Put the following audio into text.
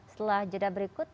setelah jeda berikut